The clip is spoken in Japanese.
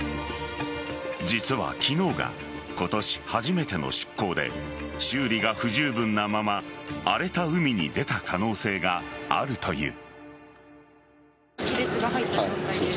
実は昨日が今年初めての出港で修理が不十分なまま荒れた海に出た可能性があるという。